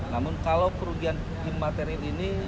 namun kalau kerugian imaterial ini